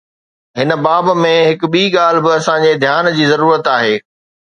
هن باب ۾ هڪ ٻي ڳالهه به اسان جي ڌيان جي ضرورت آهي.